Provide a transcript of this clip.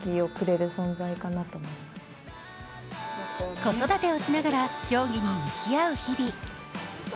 子育てをしながら競技に向き合う日々。